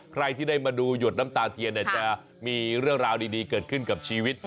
ใครที่ได้มาดูหยดน้ำตาเทียนจะมีเรื่องราวดีเกิดขึ้นกับชีวิต